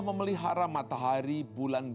dan memelihara matahari bulan bulan